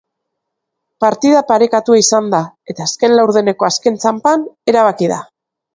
Partida parekatua izan da, eta azken laurdeneko azken txanpan erabaki da.